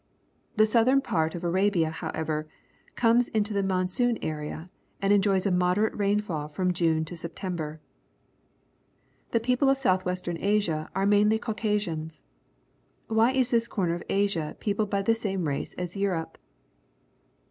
The south ern part of Arabia, however, comes into the monsoon area and enjoj's a moderate rainfall from June to September. The people of South western Asia are main ly Caucasians. Why is this corner of Asia peopled by the same race as Europe?